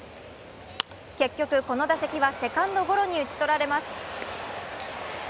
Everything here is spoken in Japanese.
結局、この打席はセカンドゴロに打ち取られます。